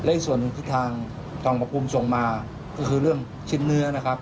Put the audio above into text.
อีกส่วนหนึ่งที่ทางกองประภูมิส่งมาก็คือเรื่องชิ้นเนื้อนะครับ